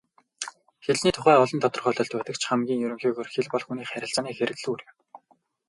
Хэлний тухай олон тодорхойлолт байдаг ч хамгийн ерөнхийгөөр хэл бол хүний харилцааны хэрэглүүр юм.